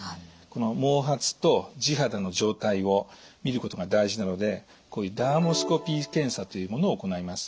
この毛髪と地肌の状態をみることが大事なのでこういうダーモスコピー検査というものを行います。